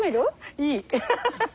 いい。